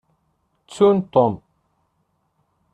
Ttun Tom.